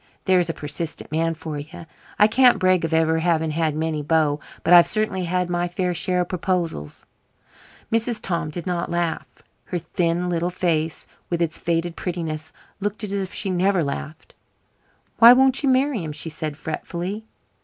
There's a persistent man for you. I can't brag of ever having had many beaux, but I've certainly had my fair share of proposals." Mrs. Tom did not laugh. Her thin little face, with its faded prettiness, looked as if she never laughed. "Why won't you marry him?" she said fretfully.